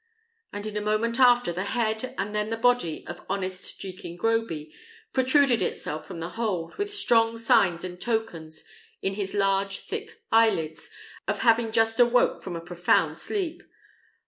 and in a moment after, the head, and then the body, of honest Jekin Groby protruded itself from the hold, with strong signs and tokens in his large thick eyelids of having just awoke from a profound sleep.